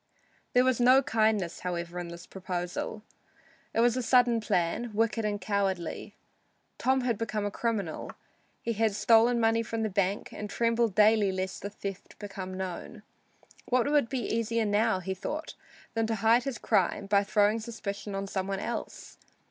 There was no kindness, however, in this proposal. It was a sudden plan, wicked and cowardly. Tom had become a criminal. He had stolen money from the bank and trembled daily lest the theft become known. What would be easier now, he thought, than to hide his crime, by throwing suspicion on some one else?